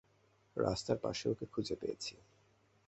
রাস্তার পাশে ওকে খুঁজে পেয়েছি।